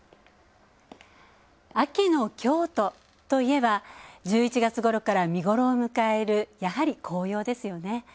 秋の京都といえば１１月ごろから見頃を迎える、やはり紅葉ですよね。